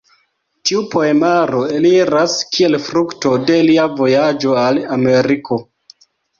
Tiu poemaro eliras kiel frukto de lia vojaĝo al Ameriko.